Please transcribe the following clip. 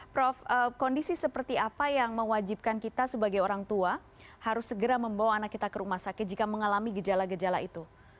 prof kondisi seperti apa yang mewajibkan kita sebagai orang tua harus segera membawa anak kita ke rumah sakit jika mengalami gejala gejala itu